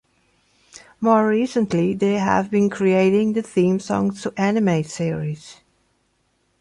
More recently, they have been creating the theme songs to anime series.